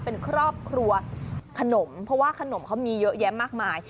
เป็นครอบครัวขนมเพราะว่าขนมเขามีเยอะแยะมากมาย